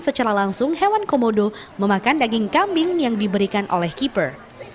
secara langsung hewan komodo memakan daging kambing yang diberikan oleh keeper